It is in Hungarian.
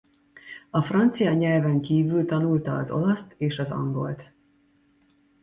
A francia nyelven kívül tanulta az olaszt és angolt.